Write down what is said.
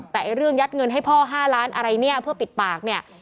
แต่เรื่องยัดเงินให้พ่อ๕ล้านอะไรเนี่ยเพื่อปิดปากเนี่ย